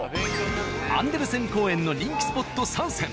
アンデルセン公園の人気スポット３選。